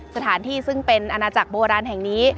สถานที่ซึ่งเป็นอาณาจักรโบราณแห่งนี้